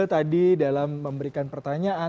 tadi dalam memberikan pertanyaan